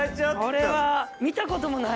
これは見たこともない。